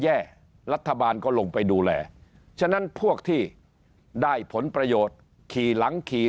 แย่รัฐบาลก็ลงไปดูแลฉะนั้นพวกที่ได้ผลประโยชน์ขี่หลังขี่